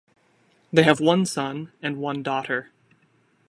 They have one son and one daughter.